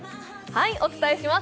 お伝えします